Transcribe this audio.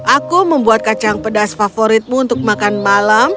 aku membuat kacang pedas favoritmu untuk makan malam